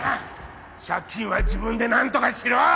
借金は自分で何とかしろ！